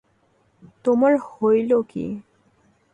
তোমার হইল কী।